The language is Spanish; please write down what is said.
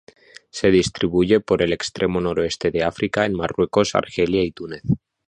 Se distribuye por el extremo noroeste de África, en Marruecos, Argelia y Túnez.